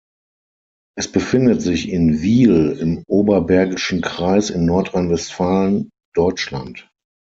Es befindet sich in Wiehl im Oberbergischen Kreis in Nordrhein-Westfalen, Deutschland.